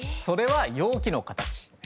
それは容器の形。